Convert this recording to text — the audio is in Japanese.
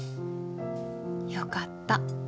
よかった。